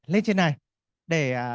lên trên này để